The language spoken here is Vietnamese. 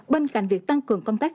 bên cạnh việc tăng cường công tác